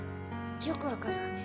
よく分かるわね。